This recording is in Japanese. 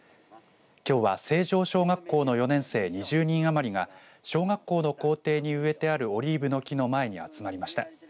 きょうは星城小学校の４年生２０人余りが小学校の校庭に植えてあるオリーブの木の前に集まりました。